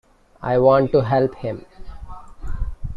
I want to help him.